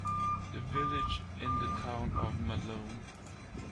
The village in the town of Malone.